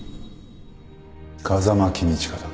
風間公親だ